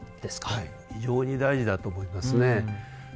はい非常に大事だと思いますね。